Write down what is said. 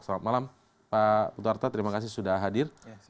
selamat malam pak putu arte terima kasih sudah hadir